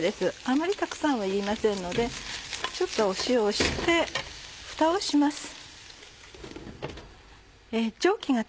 あんまりたくさんはいりませんのでちょっと塩をしてフタをします。